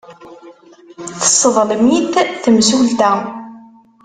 Tesseḍlem-it temsulta.